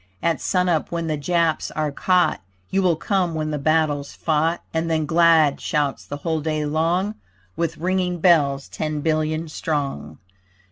At sunup when the Japs are caught You will come when the battle's fought. And then glad shouts the whole day long, With ringing bells 'ten billion strong.